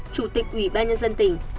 chủ tịch ủy ban nhân dân tỉnh